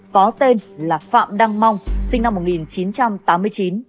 có tên là phạm đăng mong sinh năm một nghìn chín trăm tám mươi chín